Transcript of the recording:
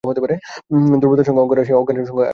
দুর্বলতার সঙ্গে অজ্ঞান আসে, অজ্ঞানের সঙ্গে আসে দুঃখ।